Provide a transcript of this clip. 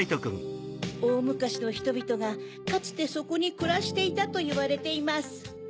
おおむかしのひとびとがかつてそこにくらしていたといわれています。